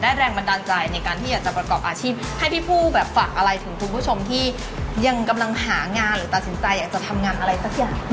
แรงบันดาลใจในการที่อยากจะประกอบอาชีพให้พี่ผู้แบบฝากอะไรถึงคุณผู้ชมที่ยังกำลังหางานหรือตัดสินใจอยากจะทำงานอะไรสักอย่าง